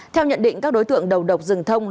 theo nhận định các đối tượng đầu độc rừng thông